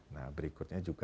nah berikutnya juga